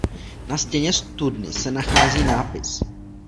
Na stěně studny se nachází nápis.